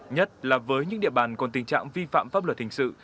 nhất là với những địa bàn còn tình trạng vi phạm pháp luật hình sự